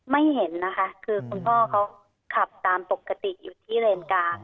ไม่เห็นนะคะคือคุณพ่อเขาขับตามปกติอยู่ที่เลนกลาง